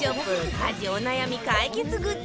家事お悩み解決グッズ